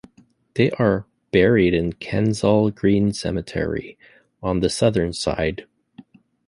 They are buried in Kensal Green Cemetery, on the southern side.